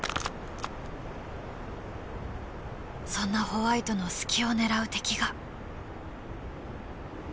そんなホワイトの隙を狙う敵が。